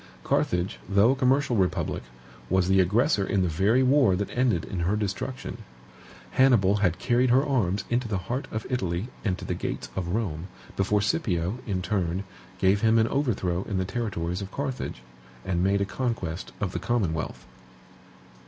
Carthage, though a commercial republic, was the aggressor in the very war that ended in her destruction. Hannibal had carried her arms into the heart of Italy and to the gates of Rome, before Scipio, in turn, gave him an overthrow in the territories of Carthage, and made a conquest of the commonwealth.